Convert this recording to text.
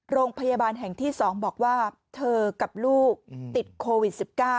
โรงพยาบาลแห่งที่๒บอกว่าเธอกับลูกติดโควิด๑๙